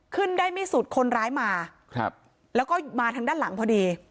ขึ้นได้ไม่สุดคนร้ายมาครับแล้วก็มาทางด้านหลังพอดี